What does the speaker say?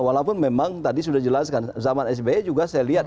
walaupun memang tadi sudah dijelaskan zaman sbi juga saya lihat